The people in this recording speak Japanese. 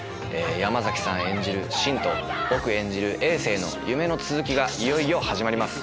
山さん演じる信と僕演じる夢の続きがいよいよ始まります。